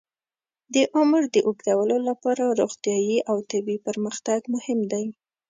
د عمر د اوږدولو لپاره روغتیايي او طبي پرمختګ مهم دی.